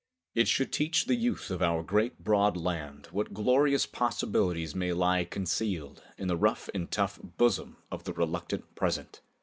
It should teach the youth of our great broad land what glorious possibilities may lie concealed in the rough and tough bosom of the reluctant present.